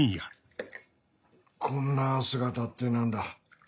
こんな姿って何だ？